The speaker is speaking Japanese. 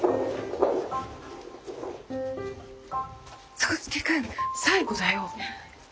宗資君最後だよ。